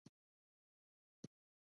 آزاد تجارت مهم دی ځکه چې طبي آلات خپروي.